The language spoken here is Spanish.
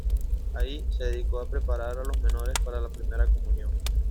Ahí, se dedicó a preparar a los menores para la Primera Comunión.